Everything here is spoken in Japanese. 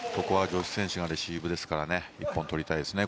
女子選手がレシーブですから一本取りたいですね。